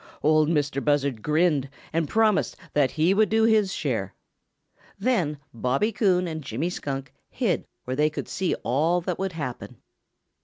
Ol' Mistah Buzzard grinned and promised that he would do his share. Then Bobby Coon and Jimmy Skunk hid where they could see all that would happen.